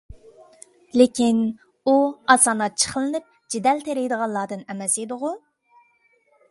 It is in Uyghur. لېكىن، ئۇ ئاسان ئاچچىقلىنىپ، جېدەل تېرىيدىغانلاردىن ئەمەس ئىدىغۇ؟